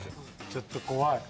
ちょっと怖い。